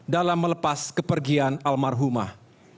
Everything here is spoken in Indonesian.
dalam melepas kepergian almarhumah